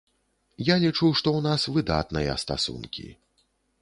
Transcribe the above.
Я лічу, што ў нас выдатныя стасункі.